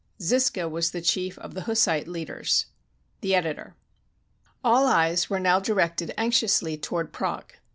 Zisca was the chief of the Hussite leaders. The Editor.] All eyes were now directed anxiously toward Prague.